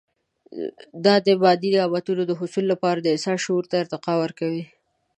دا د مادي نعمتونو د حصول لپاره د انسان شعور ته ارتقا ورکوي.